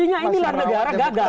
buktinya inilah negara gagal